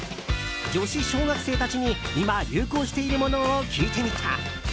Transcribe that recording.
女子小学生たちに、今流行しているものを聞いてみた。